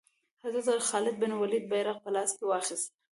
حضرت خالد بن ولید بیرغ په لاس کې واخیست.